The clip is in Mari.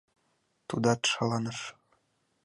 Тудат шаланыш.